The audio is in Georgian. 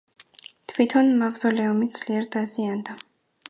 თვითონ მავზოლეუმი ძლიერ დაზიანდა.